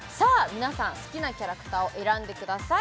皆さん好きなキャラクターを選んでください